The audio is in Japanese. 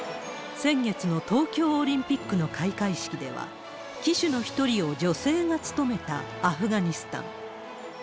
先月の東京オリンピックの開会式では、旗手の一人を女性が務めたアフガニスタン。